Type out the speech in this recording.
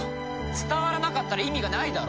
伝わらなかったら意味がないだろ！